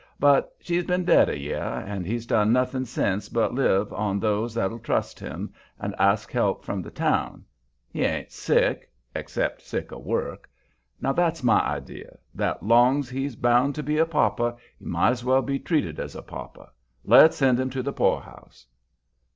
But she's been dead a year, and he's done nothing since but live on those that'll trust him, and ask help from the town. He ain't sick except sick of work. Now, it's my idea that, long's he's bound to be a pauper, he might's well be treated as a pauper. Let's send him to the poorhouse."